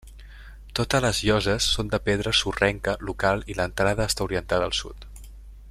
Totes les lloses són de pedra sorrenca local i l’entrada està orientada al sud.